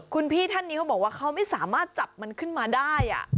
คุณพี่ท่านนี้เขาบอกว่าเขาไม่สามารถจับมันขึ้นมาได้